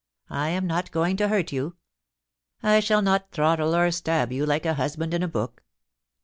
I am not going to hurt you. I shall not throttle or stab you, like a husband in a book.'